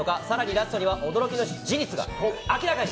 ラストには驚きの事実が明らかに。